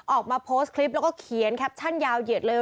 ออกมาโพสต์คลิปแล้วก็เขียนแคปชั่นยาวเหยียดเลย